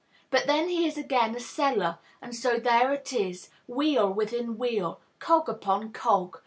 But then he is again a seller; and so there it is, wheel within wheel, cog upon cog.